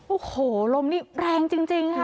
โอ้โหลมนี่แรงจริงค่ะ